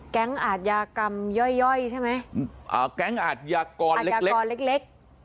แก๊งอาจยากรรมย่อยใช่ไหมแก๊งอาจยากรเล็ก